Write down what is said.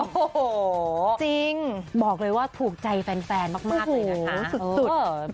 โอ้โหจริงบอกเลยว่าถูกใจแฟนมากเลยนะคะสุด